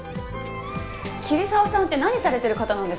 桐沢さんって何されてる方なんですか？